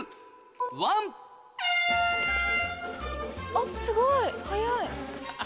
あっすごい早い。